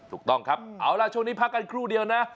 ถูกต้องครับเอาล่ะช่วงนี้พักกันครู่เดียวนะ